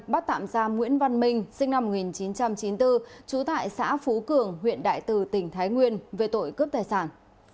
bắt tạm giam nguyễn văn minh sinh năm một nghìn chín trăm chín mươi bốn trú tại xã phú cường huyện đại từ tỉnh thái nguyên về tội cướp tài sản